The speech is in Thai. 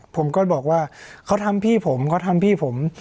ผมก็บอกว่าเขาทำพี่ผมเขาทำพี่ผม